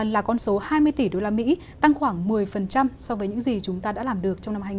là con số hai mươi tỷ usd tăng khoảng một mươi so với những gì chúng ta đã làm được trong năm hai nghìn một mươi tám